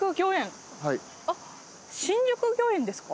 新宿御苑ですか？